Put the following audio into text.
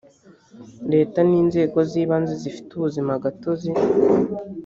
leta n inzego z ibanze zifite ubuzima gatozi